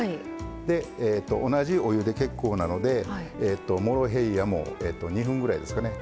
で同じお湯で結構なのでモロヘイヤも２分ぐらいですかね